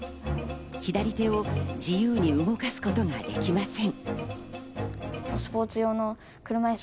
左手を自由に動かすことができません。